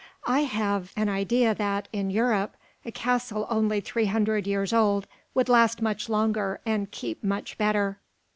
"I have, an idea that, in Europe, a castle only three hundred years old would last much longer and keep much better."